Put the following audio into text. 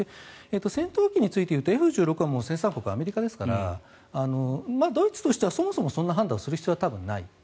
戦闘機についていうとＦ１６は生産国はアメリカですからドイツとしてはそもそもそんな判断をする必要はない。